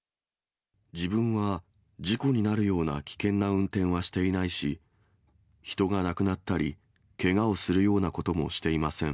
自分は、事故になるような危険な運転はしていないし、人が亡くなったり、けがをするようなこともしていません。